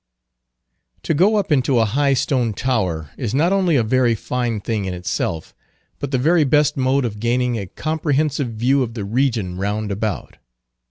To go up into a high stone tower is not only a very fine thing in itself, but the very best mode of gaining a comprehensive view of the region round about.